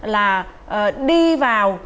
là đi vào